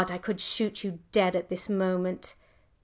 I could shoot you dead at this moment!"